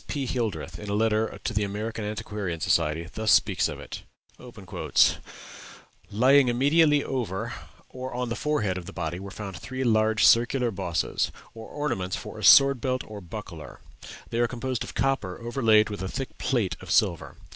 P. Hildreth, in a letter to the American Antiquarian Society, thus speaks of it: "Lying immediately over or on the forehead of the body were found three large circular bosses, or ornaments for a sword belt or buckler; they are composed of copper overlaid with a thick plate of silver.